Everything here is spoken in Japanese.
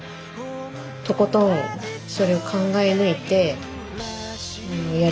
とことんそれを考え抜いてやれる人。